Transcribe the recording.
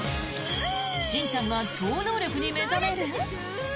しんちゃんが超能力に目覚める！？